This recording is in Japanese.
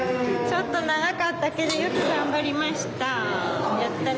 ちょっと長かったけどよく頑張りました。